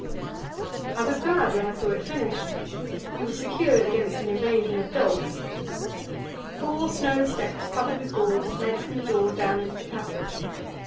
I was glad when I saw it finished; we were secured against an invasion of dogs. Four snow steps covered with boards led from the door down into the passage.